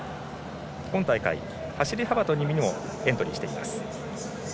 今大会、走り幅跳びにもエントリーしています。